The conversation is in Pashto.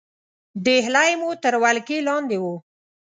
ډهلی مو تر ولکې لاندې وو.